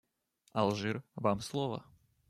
Алжир, вам слово.